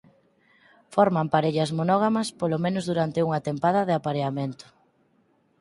Forman parellas monógamas polo menos durante unha tempada de apareamento.